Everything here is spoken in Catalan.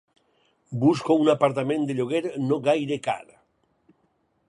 Busco un apartament de lloguer no gaire car.